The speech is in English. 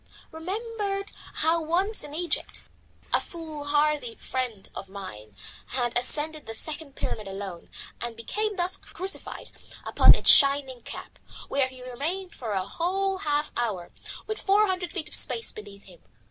Remembered how once in Egypt a foolhardy friend of mine had ascended the Second Pyramid alone, and become thus crucified upon its shining cap, where he remained for a whole half hour with four hundred feet of space beneath him.